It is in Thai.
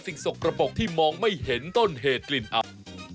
สกระปกที่มองไม่เห็นต้นเหตุกลิ่นอับ